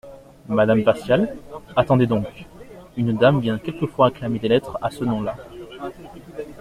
Madame Facial ? Attendez donc … Une dame vient quelquefois réclamer des lettres à ce nom-là.